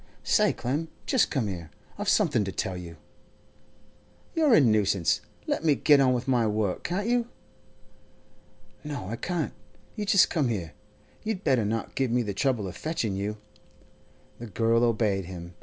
Say, Clem, just come here; I've something to tell you.' 'You're a nuisance. Let me get on with my work, can't you?' 'No, I can't. You just come here. You'd better not give me the trouble of fetching you!' The girl obeyed him.